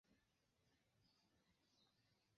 Por poezio li uzis liberajn versojn.